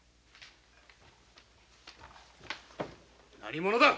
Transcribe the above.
何者だ？